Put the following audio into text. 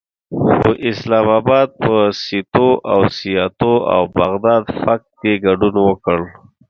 خو اسلام اباد په سیتو او سیاتو او بغداد پکت کې ګډون وکړ.